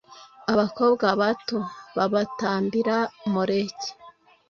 abakobwa babo t babatambira moleki